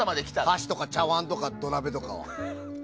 箸とか茶わんとか土鍋とかは。